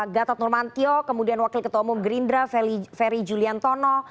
gatot nurmantio kemudian wakil ketua umum gerindra ferry juliantono